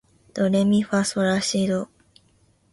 ドレミファソラシド